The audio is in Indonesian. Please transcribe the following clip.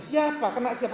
siapa kena siapa